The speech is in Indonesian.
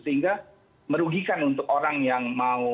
sehingga merugikan untuk orang yang mau